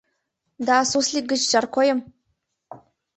— Да суслик гыч — жаркойым?